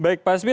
baik pak asbi